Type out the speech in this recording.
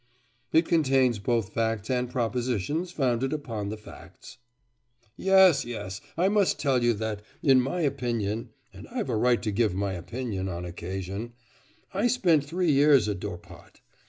'It contains both facts and propositions founded upon the facts.' 'Yes, yes. I must tell you that, in my opinion and I've a right to give my opinion, on occasion; I spent three years at Dorpat...